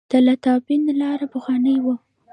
د لاتابند لاره پخوانۍ وه